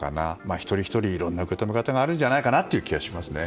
一人ひとり、いろんな見方があるんじゃないかという気がしますね。